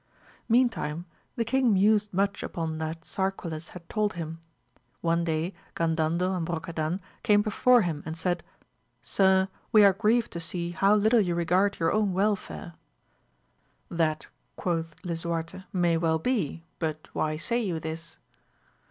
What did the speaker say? Meantime the king mused much upon that Sarquiles had told him. One day Gandandel and Brocadan came before him and said. Sir, we are grieved to see how little you regard your own welfare ; that, quoth 132 AMADIS OF GAUL Lisuarte, may well be, but why say you this